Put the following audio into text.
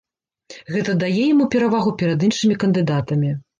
Гэта дае яму перавагу перад іншымі кандыдатамі.